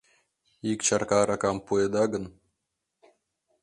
Ик чарка аракам пуэда гын